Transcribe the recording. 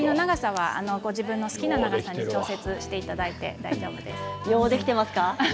自分の好きな長さに調節していただいて大丈夫です。